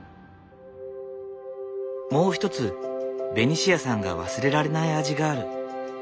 もう一つベニシアさんが忘れられない味がある。